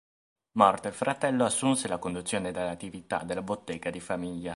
Morto il fratello, assunse la conduzione dell'attività della bottega di famiglia.